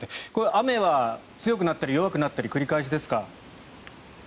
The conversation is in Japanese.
雨は強くなったり弱くなったりの繰り返しですか？